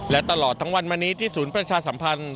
และตลอดทั้งวันมานี้ที่ศูนย์ประชาสัมพันธ์